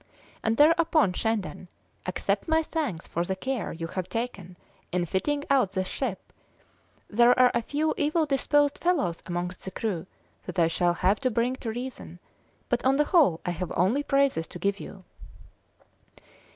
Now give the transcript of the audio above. And thereupon, Shandon, accept my thanks for the care you have taken in fitting out this ship; there are a few evil disposed fellows amongst the crew that I shall have to bring to reason, but on the whole I have only praises to give you."